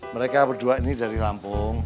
mereka berdua ini dari lampung